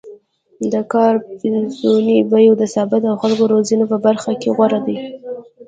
د کار پنځونې، بیو د ثبات او خلکو روزنې په برخه کې غوره دی